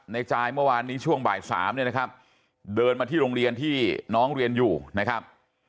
จายเมื่อวานนี้ช่วงบ่ายสามเนี่ยนะครับเดินมาที่โรงเรียนที่น้องเรียนอยู่นะครับ